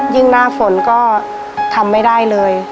หน้าฝนก็ทำไม่ได้เลย